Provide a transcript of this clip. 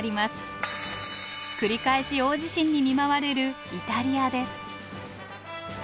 繰り返し大地震に見舞われるイタリアです。